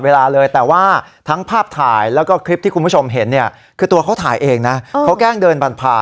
กลัวว่าจะฆ่าถ่ายขนลถไฟแล้วหนีลงไปหรือเปล่า